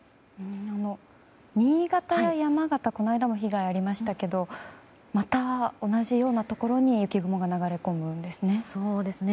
新潟や山形この間も被害がありましたがまた、同じようなところに雪雲が流れ込むんですね。